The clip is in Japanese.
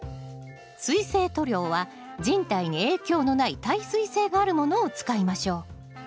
水性塗料は人体に影響のない耐水性があるものを使いましょう。